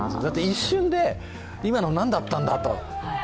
だって一瞬で、今のは何だったんだと。